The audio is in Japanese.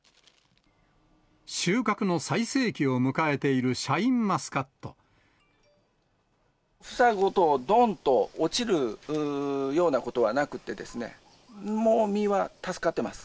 収穫の最盛期を迎えているシ房ごとどんと落ちるようなことはなくて、もう実は助かっています。